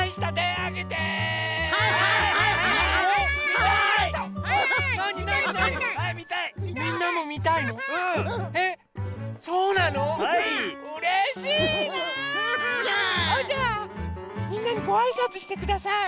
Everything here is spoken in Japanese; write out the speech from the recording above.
あじゃあみんなにごあいさつしてください。